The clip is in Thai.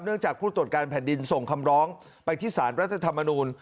จากผู้ตรวจการแผ่นดินส่งคำร้องไปที่สารรัฐธรรมนูล